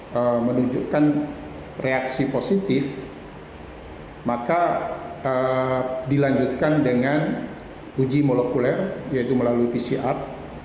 mereka harus dilakukan reaksi positif maka dilanjutkan dengan uji molekuler yaitu melalui pcr